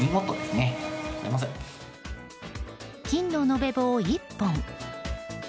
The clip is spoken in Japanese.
金の延べ棒１本。